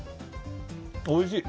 おいしい。